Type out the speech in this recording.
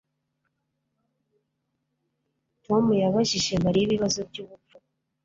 Tom yabajije Mariya ibibazo byubupfu